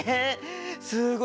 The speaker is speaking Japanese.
すごい！